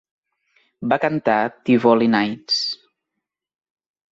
Va cantar "Tivoli Nights".